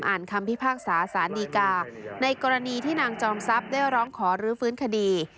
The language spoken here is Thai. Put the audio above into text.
คำพิพากษาสารดีกาในกรณีที่นางจอมทรัพย์ได้ร้องขอรื้อฟื้นคดี